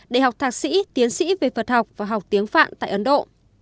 để học thạc sĩ tiến sĩ về phật học và học tiếng phạn tại ấn độ